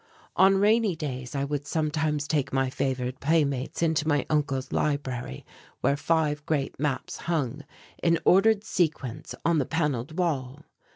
On rainy days I would sometimes take my favoured playmates into my uncle's library where five great maps hung in ordered sequence on the panelled wall.